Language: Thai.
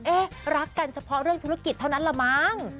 รักกันเฉพาะเรื่องธุรกิจเท่านั้นละมั้ง